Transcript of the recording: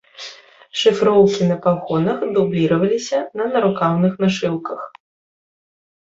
Шыфроўкі на пагонах дубліраваліся на нарукаўных нашыўках.